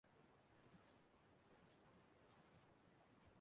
e gosighị ya